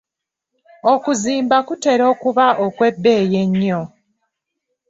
Okuzimba kutera okuba okw'ebbeeyi ennyo.